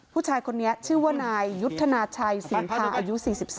ผู้ชายคนนี้ชื่อว่านายยุทธนาชัยศรีพาอายุ๔๓